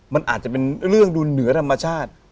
มันอาจจะเป็นเรื่องดูเหนือธรรมชาติ